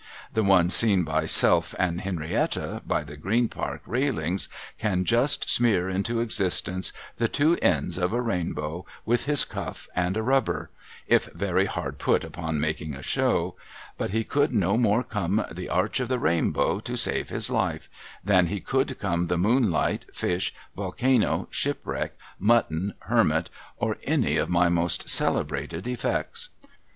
The one seen by self and Henrietta by the Green Park railings can just smear into existence the two ends of a rainbow, with his cuff and a rubber — if very hard put upon making a show but he could no more come the arch of the rainbow, to save his life, than he could come the moonlight, fish, volcano, shipwreck, mutton, hermit, or any of my most celebrated effects.